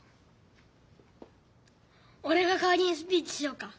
おれがかわりにスピーチしようか？